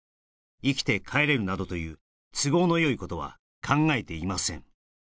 「生きて帰れる等という都合の良い事は考えていません」